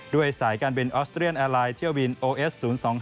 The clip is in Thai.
ด้วยสายการเป็นออสเตรียนแอลไลน์เที่ยวบินโอเอส๐๒๕